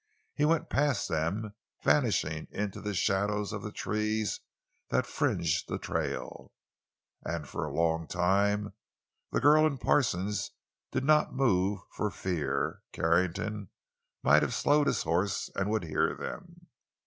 He went past them, vanishing into the shadows of the trees that fringed the trail, and for a long time the girl and Parsons did not move for fear Carrington might have slowed his horse and would hear them.